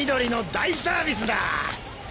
大サービス？